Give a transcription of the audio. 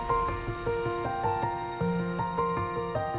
และสัตว์ป่าของผืนป่ามรดกโภค